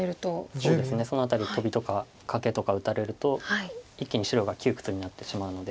そうですねその辺りトビとかカケとか打たれると一気に白が窮屈になってしまうので。